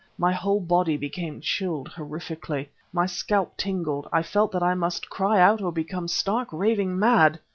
My whole body became chilled horrifically. My scalp tingled: I felt that I must either cry out or become stark, raving mad!